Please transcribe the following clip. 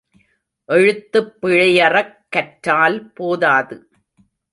எழுத்துப் பிழையறக் கற்றால் போதாது.